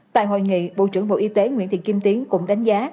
tại hội nghị bộ trưởng bộ y tế nguyễn thị kim tiến cũng đánh giá